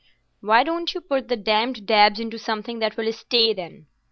"Why don't you put the damned dabs into something that will stay, then?"